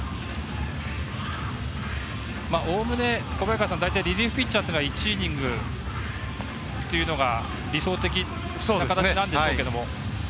おおむねリリーフピッチャーというのは１イニングというのが理想的な形なんでしょうが。